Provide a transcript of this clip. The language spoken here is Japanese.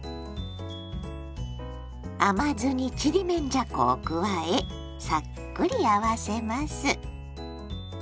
甘酢にちりめんじゃこを加えさっくり合わせます。